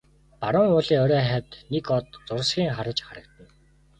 Баруун уулын орой хавьд нэг од зурсхийн харваж харагдана.